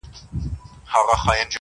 چي په ټولو حیوانانو کي نادان وو!!